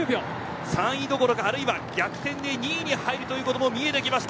３位どころか逆転で２位に入ることも見えてきました。